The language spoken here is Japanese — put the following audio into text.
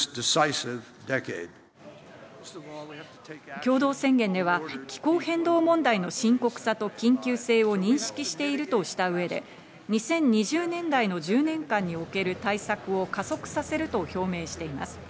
共同宣言では気候変動問題の深刻さと緊急性を認識しているとした上で、２０２０年代の１０年間における対策を加速させると表明しています。